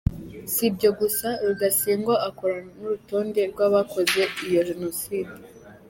Si ibyo gusa, Rudasingwa akora n’urutonde rw’abakoze iyo Jenoside.